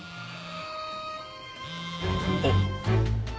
あっ。